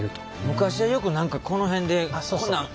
昔はよく何かこの辺でこんなん。